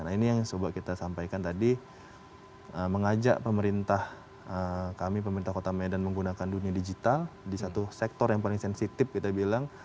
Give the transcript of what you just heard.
nah ini yang coba kita sampaikan tadi mengajak pemerintah kami pemerintah kota medan menggunakan dunia digital di satu sektor yang paling sensitif kita bilang